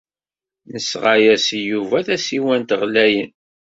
Nesɣa-as-d i Yuba tasiwant ɣlayen.